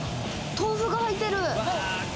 豆腐が入ってる。